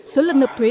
số lật nộp thuế